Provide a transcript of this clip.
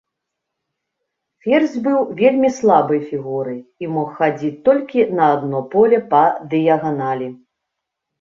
Ферзь быў вельмі слабай фігурай і мог хадзіць толькі на адно поле па дыяганалі.